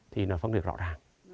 thì nó phân biệt rõ ràng